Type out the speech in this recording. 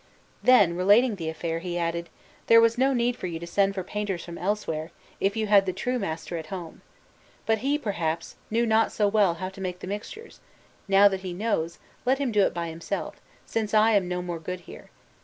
Then, relating the affair, he added: "There was no need for you to send for painters from elsewhere, if you had the true master at home. But he, perhaps, knew not so well how to make the mixtures; now that he knows, let him do it by himself, since I am no more good here.